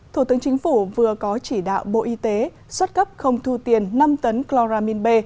thủ tướng chính phủ vừa có chỉ đạo bộ y tế xuất cấp không thu tiền năm tấn chloramin b